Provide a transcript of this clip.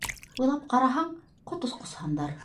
Уйлап ҡараһаң, ҡот осҡос һандар.